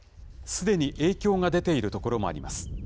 すでに影響が出ている所もあります。